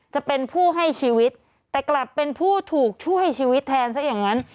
จะเป็นผู้ให้ชีวิตแต่กลับเป็นผู้ถูกช่วยชีวิตแทนซะอย่างนั้น